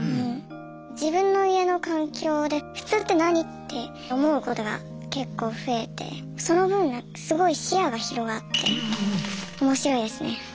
自分の家の環境で普通って何って思うことが結構増えてその分すごい視野が広がっておもしろいですね。